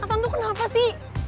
natan tuh kenapa sih